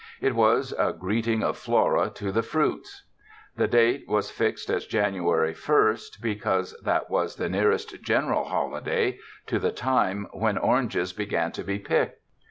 It was a greeting of Flora to the fruits." The date was fixed as January first, because that was the nearest general holiday to the time when or 220 TOURIST TOWNS anges began to be picked.